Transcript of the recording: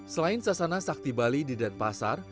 selain sasana sakti bali di denpasar